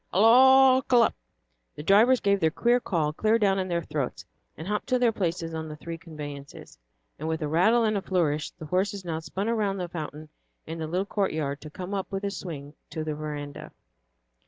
"Halloo k lup!" The drivers gave the queer call clear down in their throats, and hopped to their places on the three conveyances, and with a rattle and a flourish the horses now spun around the fountain in the little courtyard to come up with a swing to the veranda.